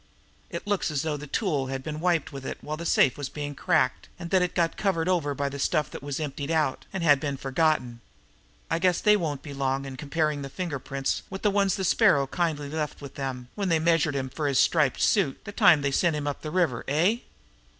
It looks as though a tool had been wiped with it while the safe was being cracked, and that it got covered over by the stuff that was emptied out, and had been forgotten. I guess they won't be long in comparing the finger prints with the ones the Sparrow kindly left with them when they measured him for his striped suit the time they sent him up the river eh?"